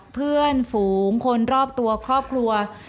เพื่อนฝูงคนรอบตัวครอบครัว